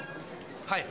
「はい。